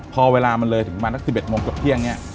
พอเวลามันเลยถึงประมาณทั้ง๑๑โมงจบเที่ยง